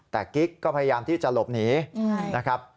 แต่กิ๊กก็พยายามที่จะหลบหนีนะครับ